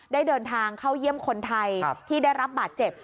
ได้เดินทางเข้าเยี่ยมคนไทยที่ได้รับบาดเจ็บ